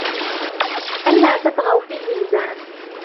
أَلاَّ تَطْغَوْا فِي الْمِيزَانِ